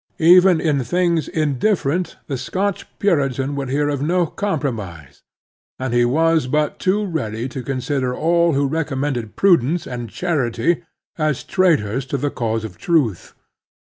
Even in things indif ferent the Scotch Puritan would hear of no com promise; and he was but too ready to consider all who recommended prudence and charity as traitors to the cause of truth.